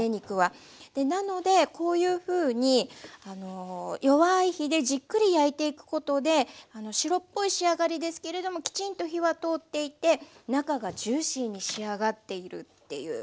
なのでこういうふうに弱い火でじっくり焼いていくことで白っぽい仕上がりですけれどもきちんと火は通っていて中がジューシーに仕上がっているっていう。